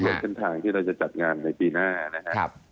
สำรวจหน้าทางที่เราจะจัดงานในปีหน้านะครับ